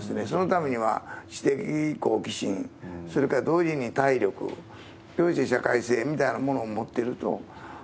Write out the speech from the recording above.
そのためには知的好奇心、それから同時に体力、そして社会性みたいなものを持ってると。